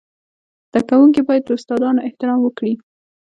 زده کوونکي باید د استادانو احترام وکړي.